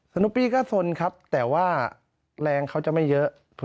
นุปปี้ก็สนครับแต่ว่าแรงเขาจะไม่เยอะ